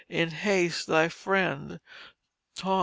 In haste, thy friend, THOS.